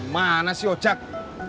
mana si ojak